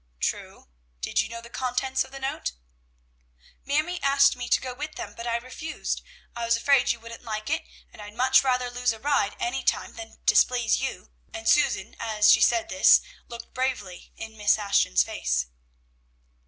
"True. Did you know the contents of the note?" "Mamie asked me to go with them, but I refused. I was afraid you wouldn't like it, and I'd much rather lose a ride any time than displease you;" and Susan, as she said this, looked bravely in Miss Ashton's face.